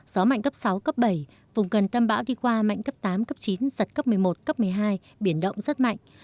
gió mạnh cấp sáu cấp bảy vùng gần tâm bão đi qua mạnh cấp tám cấp chín giật cấp một mươi một cấp một mươi hai biển động rất mạnh